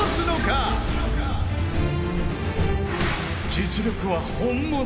［実力は本物。